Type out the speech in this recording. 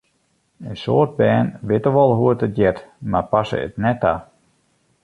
In soad bern witte wol hoe't it heart, mar passe it net ta.